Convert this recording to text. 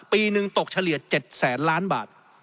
ปีหนึ่งตกเฉลี่ย๗แสนล้านบาท